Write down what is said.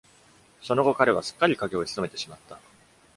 その後彼はすっかり影をひそめてしまった。